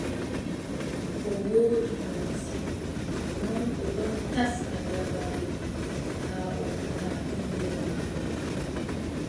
O wooɗi mo masin, non, o ɗon taska dabare haa o mbara ɓiŋngel maako.